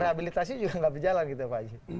rehabilitasi juga nggak berjalan gitu pak haji